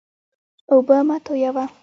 اوبه مه تویوه.